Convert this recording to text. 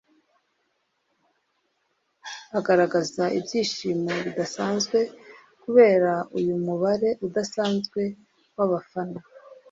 agaragaza ibyishimo bidasanzwe kubera uyu mubare udasanzwe w’abafana